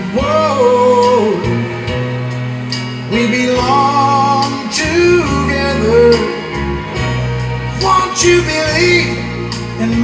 ไม่เคยลืมคืน